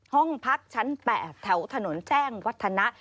ห้องพักชั้น๘แถวถนนแจ้งวัฒนะ